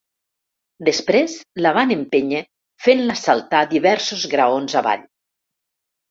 Després la van empènyer fent-la saltar diversos graons avall.